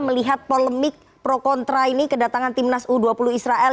melihat polemik pro kontra ini kedatangan timnas u dua puluh israel